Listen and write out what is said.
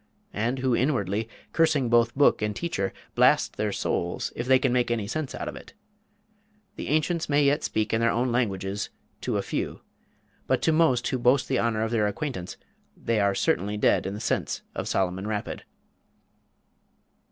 and who inwardly, cursing both book and teacher, blast their souls "if they can make any sense out of it." The ancients may yet speak in their own languages to a few; but to most who boast the honor of their acquaintance, they are certainly dead in the sense of Solomon Rapid.